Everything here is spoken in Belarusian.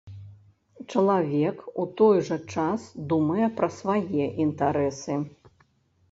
Чалавек у той жа час думае пра свае інтарэсы.